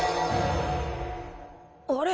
あれ！？